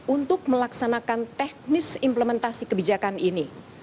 untuk melaksanakan teknis implementasi kebijakan ini